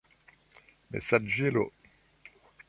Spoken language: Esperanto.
mesaĝilo